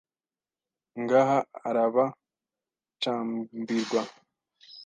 Ngaha arabacambirwa